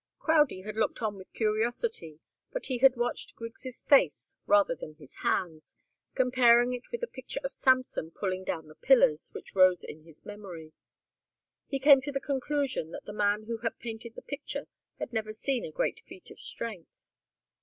Crowdie had looked on with curiosity, but he had watched Griggs' face rather than his hands, comparing it with a picture of Samson pulling down the pillars, which rose in his memory. He came to the conclusion that the man who had painted the picture had never seen a great feat of strength.